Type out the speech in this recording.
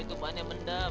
oh itu tempat yang mendem